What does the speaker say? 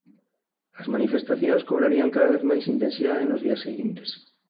As manifestacións cobrarían cada vez máis intensidade nos días seguintes.